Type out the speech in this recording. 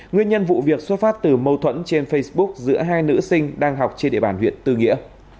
nguyên nhân vụ việc xuất phát từ mâu thuẫn trên facebook giữa hai nữ sinh đang học trên địa bàn huyện tư nghĩa